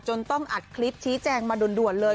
ต้องอัดคลิปชี้แจงมาด่วนเลย